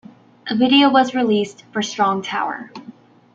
A video was released for Strong Tower.